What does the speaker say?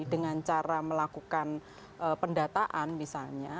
dengan cara melakukan pendataan misalnya